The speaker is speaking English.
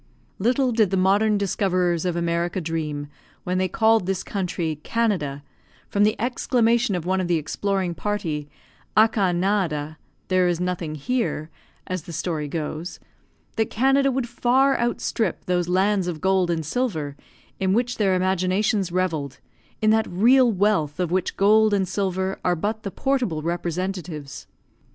Little did the modern discoverers of America dream, when they called this country "Canada," from the exclamation of one of the exploring party, "Aca nada," "there is nothing here," as the story goes, that Canada would far outstrip those lands of gold and silver, in which their imaginations revelled, in that real wealth of which gold and silver are but the portable representatives.